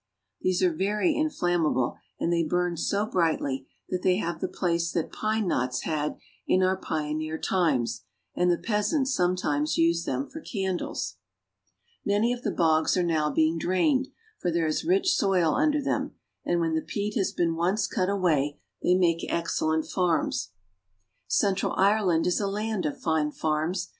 These are very inflammable, and they burn so brightly that they have the place that pine knots had in our pioneer times, and the peasants sometimes use them for candles. CENTRAL AND NORTHERN IRELAND. 27 Many of the bogs are now being drained, for there is rich soil under them, and when the peat has been once cut away, they make excellent farms. Central Ireland is a land of fine farms.